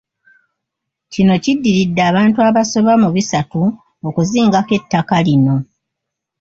Kino kiddiridde abantu abasoba mu bisatu okuzingako ettaka lino.